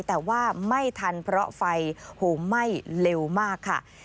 แต่ว่าไม่ทันเพราะไฟโหมไหม้เร็วมากค่ะ